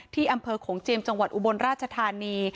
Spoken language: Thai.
ที่อำเภอโขงเจียมจังหวัดอุบลราชธานี